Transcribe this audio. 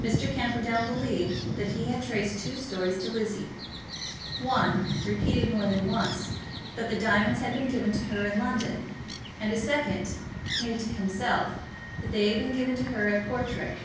Mr. Camperdown believed that he had traced two stories to Lizzie, one, repeated more than once, that the diamonds had been given to her in London, and a second, made to himself, that they had been given to her at Portray.